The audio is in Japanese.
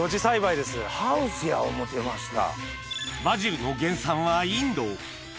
ハウスや思うてました。